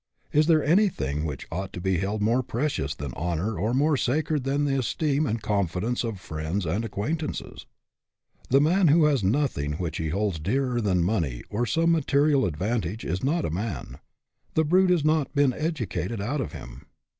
Is there any thing which ought to be held more precious than honor or more sacred than the esteem and confidence of friends and acquaintances? The man who has nothing which he holds dearer than money or some material advan tage is not a man. The brute has not been educated out of him.